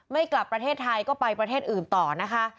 กลับประเทศไทยก็ไปประเทศอื่นต่อนะคะ